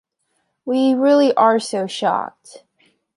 We really are so shocked!